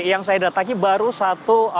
yang saya datangi baru satu